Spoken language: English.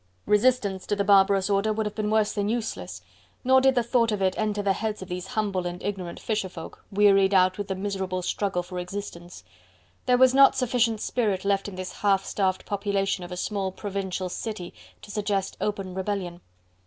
Resistance to the barbarous order would have been worse than useless, nor did the thought of it enter the heads of these humble and ignorant fisher folk, wearied out with the miserable struggle for existence. There was not sufficient spirit left in this half starved population of a small provincial city to suggest open rebellion.